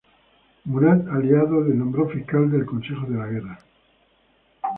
Murat, aliado, le nombró fiscal del Consejo de la Guerra.